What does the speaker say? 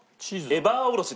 エバーおろし。